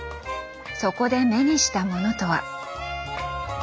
そこで目にしたものとは。